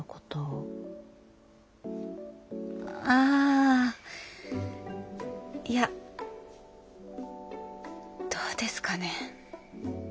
ああいやどうですかねぇ。